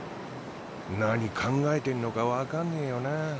何考えてんのか分かんねぇよな。